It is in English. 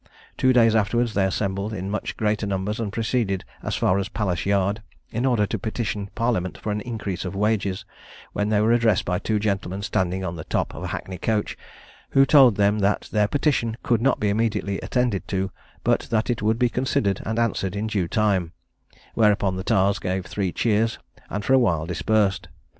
Two days afterwards they assembled in much greater numbers, and proceeded as far as Palace Yard, in order to petition Parliament for an increase of wages; when they were addressed by two gentlemen standing on the top of a hackney coach, who told them that their petition could not be immediately attended to, but that it would be considered and answered in due time; whereupon the tars gave three cheers, and for a while dispersed.